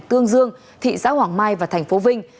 tương dương thị xã hoàng mai và thành phố vinh